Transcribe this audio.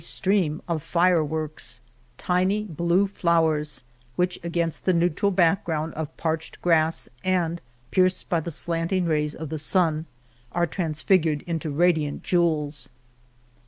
^, 7 / r Stream of fireworks — tiny blue flowers, which against the neutral background of parched 137 El Toboso grass and pierced by the slanting rays of the sun, are transfigured into radiant jewels.